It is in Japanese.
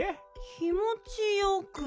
気もちよく。